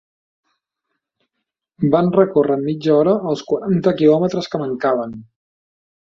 Van recórrer en mitja hora els quaranta quilòmetres que mancaven.